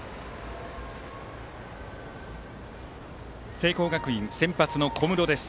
聖光学院、先発の小室です。